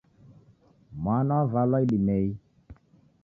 Mwana wavalwa idimei.